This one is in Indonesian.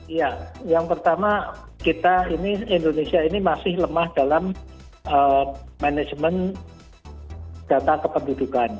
iya yang pertama kita ini indonesia ini masih lemah dalam manajemen data kependudukan